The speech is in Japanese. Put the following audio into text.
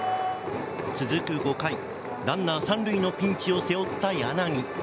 続く５回、ランナー３塁のピンチを背負った柳。